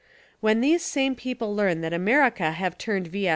When these same people learn that America 'have turned V.